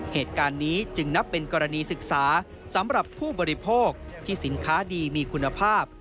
เหตุการณ์นี้จึงนับเป็นกรณีศึกษาสำหรับผู้บริโภคที่สินค้าดีมีคุณภาพ